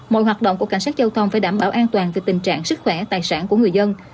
mọi hoạt động của cảnh sát giao thông phải đảm bảo an toàn về tình trạng sức khỏe tài sản của người dân